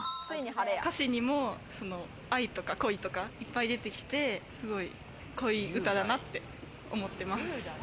歌詞にも、愛とか恋とかいっぱい出てきて、すごい恋うただなって思ってます。